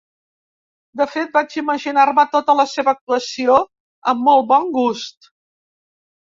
De fet, vaig imaginar-me tota la seva actuació amb molt bon gust.